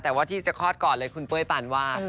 แต่ว่าที่จะคลอดก่อนเลยคุณเป้ยปานวาด